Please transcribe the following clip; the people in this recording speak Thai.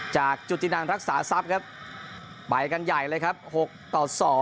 จุตินังรักษาทรัพย์ครับไปกันใหญ่เลยครับ๖ต่อ๒